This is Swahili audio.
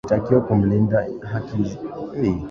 Alitakiwa kumlinda Hakizemana hata kwa kutoa uhai wake